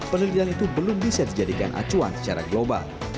penelitian itu belum bisa dijadikan acuan secara global